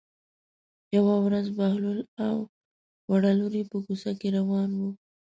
یوه ورځ بهلول او وړه لور یې په کوڅه کې روان وو.